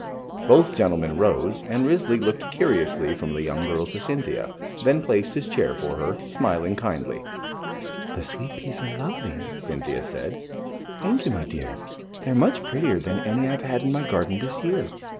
Both gentlemen rose, and Risley looked curiously from the young girl to Cynthia, then placed his chair for her, smiling kindly. "The sweet peas are lovely," Cynthia said. "Thank you, my dear. They are much prettier than any I have had in my garden this year.